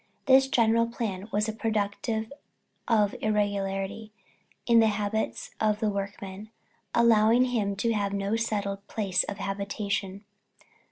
This general plan was productive of irregularity in the habits of the workman, allowing him to have no settled place of habitation.